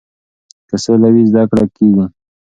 که سوله وي زده کړه کیږي.